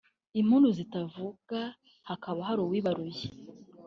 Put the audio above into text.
impundu zitavuga hakaba hari uwirabuye